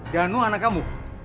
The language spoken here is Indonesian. danu anak kamu